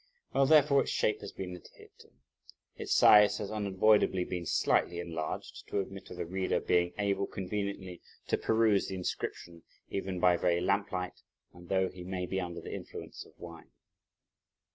While therefore its shape has been adhered to, its size has unavoidably been slightly enlarged, to admit of the reader being able, conveniently, to peruse the inscription, even by very lamplight, and though he may be under the influence of wine.